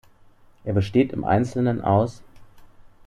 Er besteht im Einzelnen aus